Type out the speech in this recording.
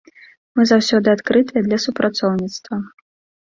Мы заўсёды адкрытыя для супрацоўніцтва.